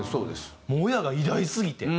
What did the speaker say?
もう親が偉大すぎて。